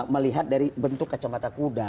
melihat dari bentuk kacamata kuda